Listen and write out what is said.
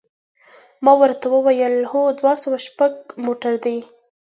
ما ورته وویل: هو، دوه سوه شپږ موټر دی.